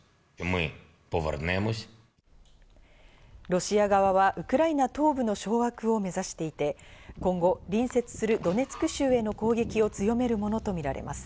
ロシア側はウクライナ東部の掌握を目指していて今後、隣接するドネツク州への攻撃を強めるものとみられます。